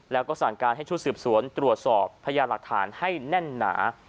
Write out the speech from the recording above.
แล้วก็สั่งการให้ชุดสืบสวนตรวจสอบพญาหลักฐานให้แน่นหนา